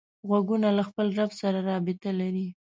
غوږونه له خپل رب سره رابط لري